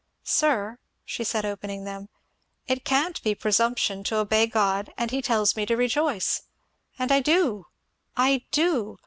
"Sir," she said, opening them, "it can't be presumption to obey God, and he tells me to rejoice. And I do I do!